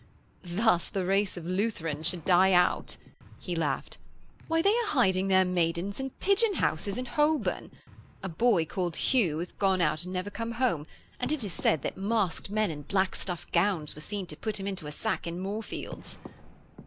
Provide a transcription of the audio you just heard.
'Thus the race of Lutherans should die out,' he laughed. 'Why they are hiding their maidens in pigeon houses in Holborn. A boy called Hugh hath gone out and never come home, and it is said that masked men in black stuff gowns were seen to put him into a sack in Moorfields.'